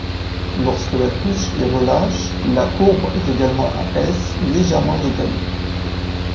Lorsque la touche est relâche, la courbre est également en S, légèrement décalée.